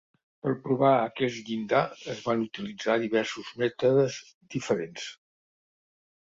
Per provar aquest llindar es van utilitzar diversos mètodes diferents.